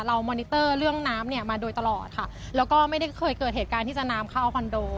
มอนิเตอร์เรื่องน้ำเนี่ยมาโดยตลอดค่ะแล้วก็ไม่ได้เคยเกิดเหตุการณ์ที่จะน้ำเข้าคอนโด